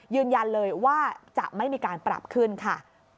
ยืนยันเลยว่าจะไม่มีการปรับขึ้นค่ะ